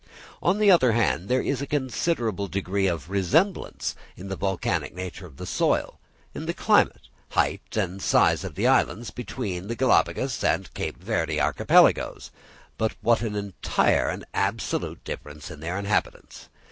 On the other hand, there is a considerable degree of resemblance in the volcanic nature of the soil, in the climate, height, and size of the islands, between the Galapagos and Cape Verde Archipelagos: but what an entire and absolute difference in their inhabitants!